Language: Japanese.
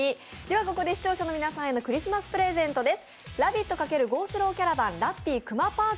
ここで視聴者の皆さんへのクリスマスプレゼントです。